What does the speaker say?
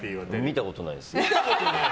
見たことないです。